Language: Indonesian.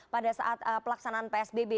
pada saat pelaksanaan psbb